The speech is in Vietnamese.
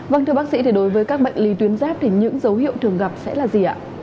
vâng thưa bác sĩ thì đối với các bệnh lý tuyến giáp thì những dấu hiệu thường gặp sẽ là gì ạ